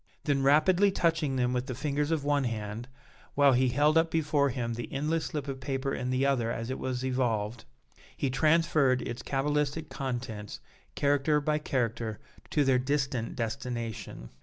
Then rapidly touching them with the fingers of one hand, while he held up before him the endless slip of paper in the other as it was evolved, he transferred its cabalistic contents, character by character, to their distant destination.